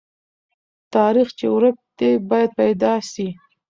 تاریخ چې ورک دی، باید پیدا سي.